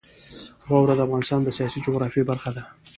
واوره د افغانستان د سیاسي جغرافیه برخه ده.